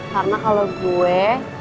karena kalau gue